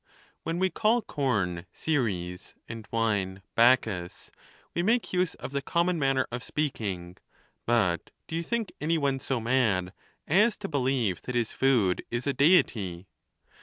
When we call corn Ceres, and wine Bacchus, we make use of the common manner of speaking ; but do you think any one so mad as to believe that his food is a Deity